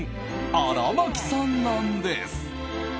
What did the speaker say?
荒牧さんなんです。